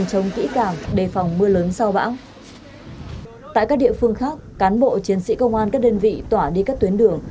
tại các địa phương khác cán bộ chiến sĩ công an các đơn vị tỏa đi các tuyến đường